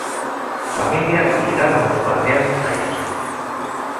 Familia higanot batean jaio zen.